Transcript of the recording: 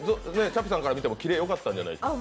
ちゃぴさんから見てもキレがよかったんじゃないですか。